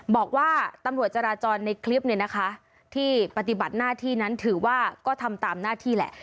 บอกว่าตำรวจจราจรในคลิปเนี่ยนะคะที่ปฏิบัติหน้าที่นั้นถือว่าก็ทำตามหน้าที่แหละ